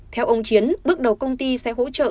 theo ông chiến bước đầu công ty sẽ hỗ trợ